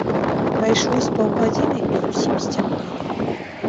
Прайшло з паўгадзіны, і зусім сцямнела.